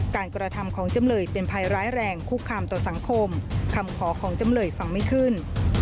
กระทำของจำเลยเป็นภัยร้ายแรงคุกคามต่อสังคมคำขอของจำเลยฟังไม่ขึ้น